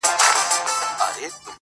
چي نه عقل او نه زور د چا رسېږي،